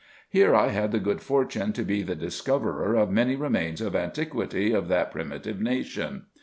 Here I had the good fortune to be the discoverer of many remains of antiquity of that primitive nation.